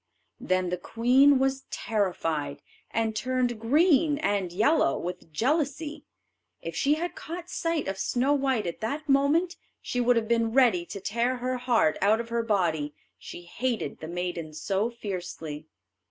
Then the queen was terrified, and turned green and yellow with jealousy. If she had caught sight of Snow white at that moment, she would have been ready to tear her heart out of her body, she hated the maiden so fiercely.